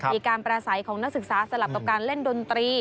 มีการประสัยของนักศึกษาสลับกับการเล่นดนตรี